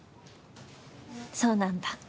そうなんだ。